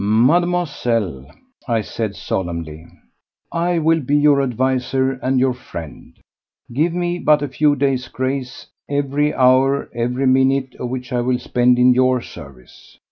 "Mademoiselle," I said solemnly, "I will be your adviser and your friend. Give me but a few days' grace, every hour, every minute of which I will spend in your service.